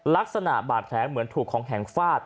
ลักษณะบาดแผลเหมือนถูกของแข็งฟาด